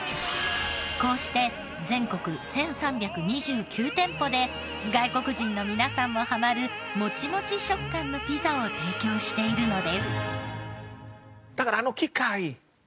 こうして全国１３２９店舗で外国人の皆さんもハマるモチモチ食感のピザを提供しているのです。